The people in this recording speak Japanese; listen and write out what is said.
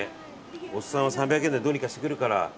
おじさんは３００円でどうにかしてくるから。